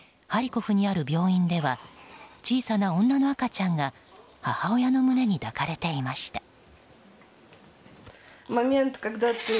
ハリコフにある病院では小さな女の赤ちゃんが母親の胸に抱かれていました。